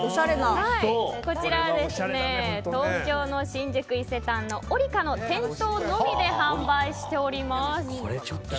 これは東京の新宿伊勢丹の織り果の店頭のみで販売しております。